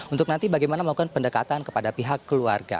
untuk nanti bagaimana melakukan pendekatan kepada pihak keluarga